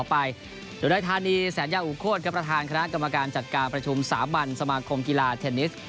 ไปเดี๋ยวไถร์นีแสนยาอุโค้ดคือประธานคณะกรรมการจัดการประชุมสามบันสมมาคมกีฬาเทนนิสลอนเทน